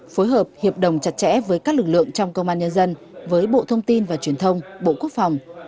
phối hợp hiệp đồng chặt chẽ với các lực lượng trong công an nhân dân với bộ thông tin và truyền thông bộ quốc phòng